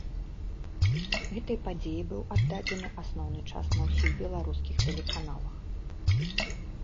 Гэтай падзеі быў аддадзены асноўны час на ўсіх беларускіх тэлеканалах.